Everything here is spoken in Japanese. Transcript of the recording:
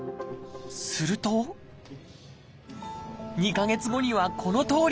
すると２か月後にはこのとおり。